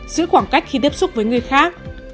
giữ khoảng cách khi tiếp xúc với người khác